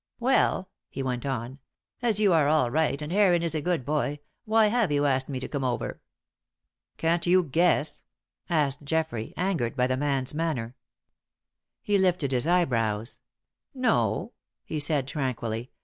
"Well," he went on, "as you are all right and Heron is a good boy, why have you asked me to come over?" "Can't you guess?" asked Geoffrey, angered by the man's manner. He lifted his eyebrows. "No," he said, tranquilly.